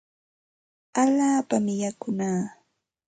Allaapami yakunaa.